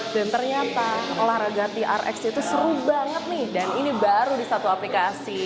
dan ternyata olahraga trx itu seru banget nih dan ini baru di satu aplikasi